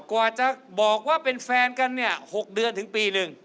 กว่าจะบอกว่าเป็นแฟนกันเนี่ย๖เดือนถึงปีหนึ่ง